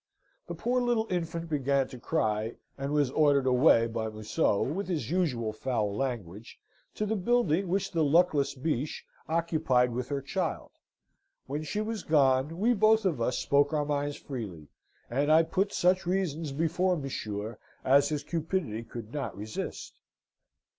The poor little infant began to cry, and was ordered away by Museau, with his usual foul language, to the building which the luckless Biche occupied with her child. When she was gone, we both of us spoke our minds freely; and I put such reasons before monsieur as his cupidity could not resist.